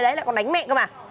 đấy là con đánh mẹ cơ mà